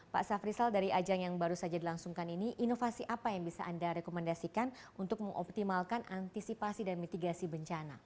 pak safrisal dari ajang yang baru saja dilangsungkan ini inovasi apa yang bisa anda rekomendasikan untuk mengoptimalkan antisipasi dan mitigasi bencana